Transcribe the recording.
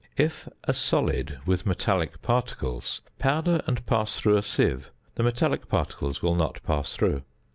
If a solid with metallic particles: powder and pass through a sieve; the metallic particles will not pass through.